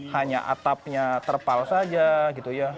hanya atapnya terpal saja gitu ya